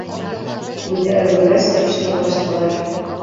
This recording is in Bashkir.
—— Күҙҙәре көләс, — тип шыбырлаштылар.